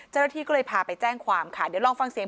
เจ้าหน้าที่ก็เลยพาไปแจ้งความค่ะเดี๋ยวลองฟังเสียง